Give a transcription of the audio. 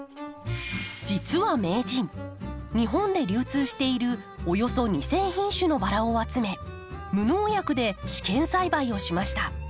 実は名人日本で流通しているおよそ２，０００品種のバラを集め無農薬で試験栽培をしました。